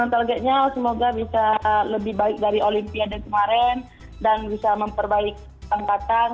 targetnya semoga bisa lebih baik dari olimpiade kemarin dan bisa memperbaiki angkatan